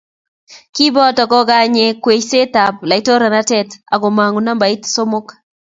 Kiboto kokanye kweisetab laitorianatet akomong'u nambait somok.